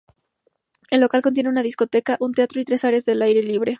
El local contiene una discoteca, un teatro y tres áreas al aire libre.